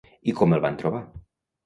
I com el van trobar?